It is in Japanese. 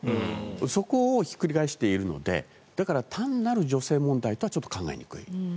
そこをひっくり返しているのでだから、単なる女性問題とは考えにくい。